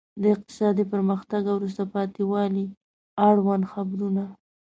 د اقتصادي پرمختګ او وروسته پاتې والي اړوند خبرونه.